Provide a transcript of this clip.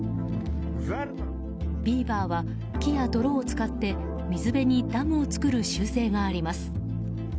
ビーバーは、木や泥を使って水辺にダムを造る習性があります。